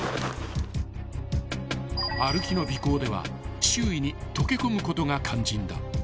［歩きの尾行では周囲に溶け込むことが肝心だ］